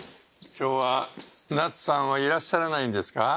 今日は奈津さんはいらっしゃらないんですか？